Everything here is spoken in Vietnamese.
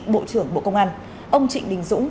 bộ trưởng bộ công an ông trịnh đình dũng